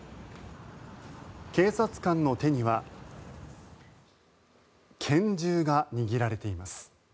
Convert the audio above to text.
警察官の手には拳銃が握られています。